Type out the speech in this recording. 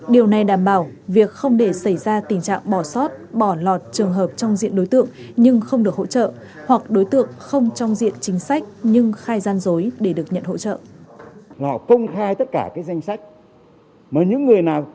điều này đảm bảo việc không để xảy ra tình trạng bỏ sót bỏ lọt trường hợp trong diện đối tượng nhưng không được hỗ trợ